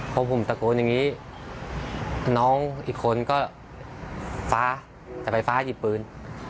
พอผมตะโกนอย่างนี้น้องอีกคนก็ฟ้าจะไปฟ้าหยิบปืน